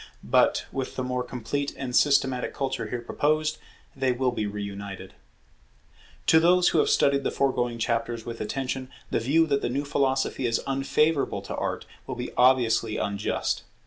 But, with the more complete and systematic culture here proposed, they will be re united. To those who have studied the foregoing chapters with attention, the view that the new philosophy is unfavourable to Art, will be obviously unjust.